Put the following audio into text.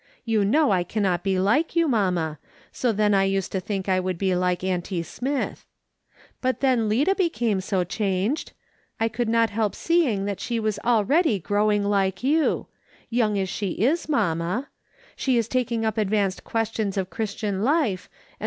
You know I cannot be like you, mamma, so then I used to think I would be like auntie Smith; but when Lida became so changed, I could not help seeing that she was already growing like you ; young as she is, mamma ; she is taking up advanced questions of Christian life, and "THEM SMITHS AIN'T THE COMMON KIND."